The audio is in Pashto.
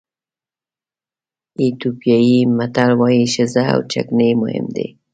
ایتیوپیایي متل وایي ښځه او چکنۍ مهم دي.